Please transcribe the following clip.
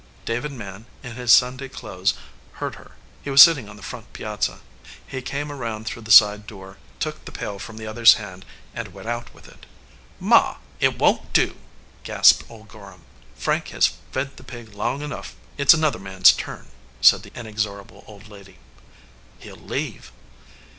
David Mann, in his Sunday clothes, heard her. He was sitting on the front piazza,. He came around through the side door, took the pail from the other man s hand, and went out with it. "Ma, it won t do!" gasped old Gorham. "Frank has fed the pig long enough. It s an other man s turn," said the inexorable old lady. "He ll leave."